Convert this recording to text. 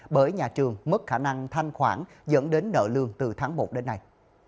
bởi nhà trường mất khả năng thanh khoản dẫn đến nợ lương từ tháng một đến nay